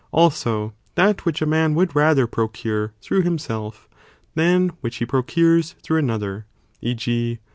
Also 'that which a man would rather procure through himself, than which (he procures) through another, 6. δ.